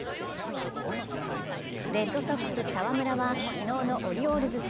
レッドソックス・澤村は昨日のオリオールズ戦。